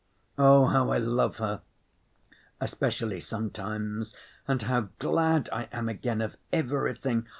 "Oh, how I love her, especially sometimes, and how glad I am again of everything!